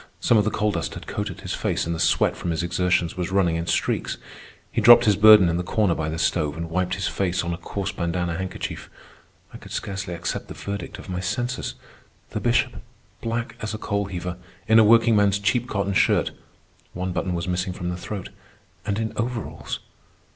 Some of the coal dust had coated his face, and the sweat from his exertions was running in streaks. He dropped his burden in the corner by the stove and wiped his face on a coarse bandana handkerchief. I could scarcely accept the verdict of my senses. The Bishop, black as a coal heaver, in a workingman's cheap cotton shirt (one button was missing from the throat), and in overalls!